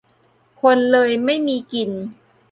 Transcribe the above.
คนเลยไม่มีกิน